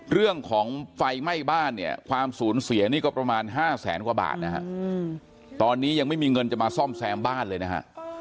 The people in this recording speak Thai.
เรื่องของไฟไหม้บ้านเนี่ยความสูญเสียนี่ก็ประมาณ๕แสนกว่าบาทนะฮะตอนนี้ยังไม่มีเงินจะมาซ่อมแซมบ้านเลยนะฮะ